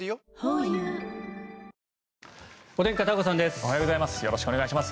おはようございます。